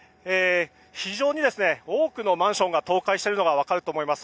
非常に多くのマンションが倒壊しているのが分かると思います。